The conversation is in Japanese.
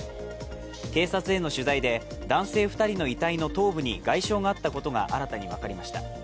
警察への取材で、男性２人の遺体の頭部に外傷があったことが新たに分かりました。